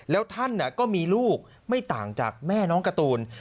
แล้วท่านก็มีลูกไม่ต่างจากแม่น้องการ์ตูน